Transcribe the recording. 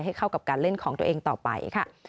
เข้ากับการเล่นของตัวเองต่อไปค่ะ